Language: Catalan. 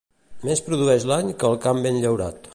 Més produeix l'any que el camp ben llaurat.